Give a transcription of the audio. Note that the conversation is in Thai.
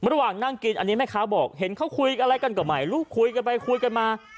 ระหว่างนั่งกินอันนี้แม่ค้าบอกเห็นเขาคุยอะไรกันก็ไม่รู้คุยกันไปคุยกันมา